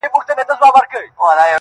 o درد د انسان برخه ګرځي تل,